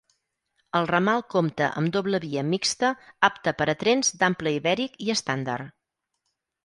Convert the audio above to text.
El ramal compta amb doble via mixta apta per a trens d'ample ibèric i estàndard.